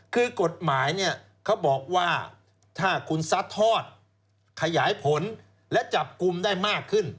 คือกฎหมายเนี่ยเขาบอกว่าถ้าคุณซัดทอดขยายผลและจับกลุ่มได้มากขึ้น